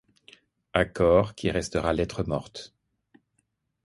Accord qui restera lettre morte.